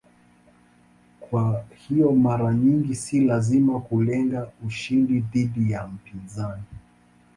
Kwa hiyo mara nyingi si lazima kulenga ushindi dhidi ya mpinzani.